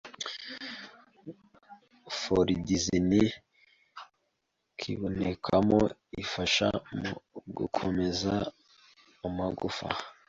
phloridzin kibonekamo ifasha mu gukomeza amagufa